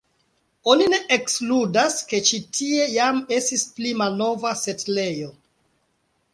Oni ne ekskludas, ke ĉi tie jam estis pli malnova setlejo.